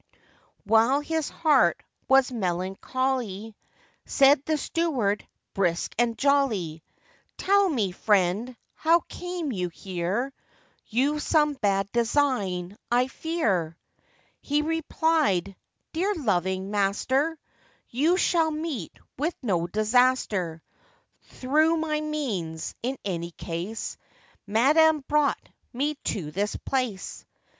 While his heart was melancholy, Said the steward, brisk and jolly, 'Tell me, friend, how came you here? You've some bad design, I fear.' He replied, 'Dear loving master, You shall meet with no disaster Through my means, in any case,— Madam brought me to this place.